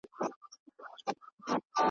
عزرائیل مي دی ملګری لکه سیوری .